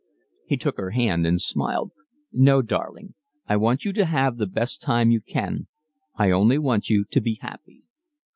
He took her hand and smiled. "No, darling, I want you to have the best time you can. I only want you to be happy."